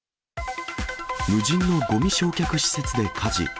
無人のごみ焼却施設で火事。